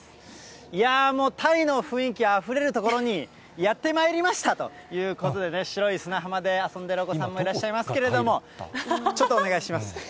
いやー、もうタイの雰囲気あふれる所にやってまいりましたということでね、白い砂浜で遊んでるお子さんもいらっしゃいますけれども、ちょっとお願いします。